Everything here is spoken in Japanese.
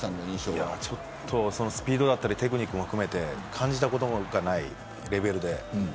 スピードだったりテクニックも含めて感じたことがないレベルで。